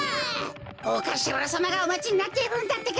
おかしらさまがおまちになっているんだってか！